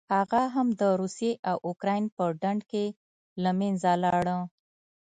هغه هم د روسیې او اوکراین په ډنډ کې له منځه لاړه.